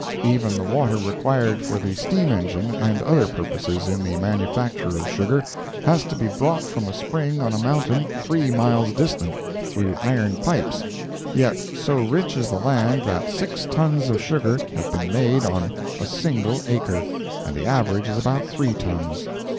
Even the water required for the steam engine and other purposes in the manufacture of sugar, has to be brought from a spring on a mountain, three miles distant, through iron pipes; yet, so rich is the land that six tons of sugar have been made on a single acre, and the average is about three tons.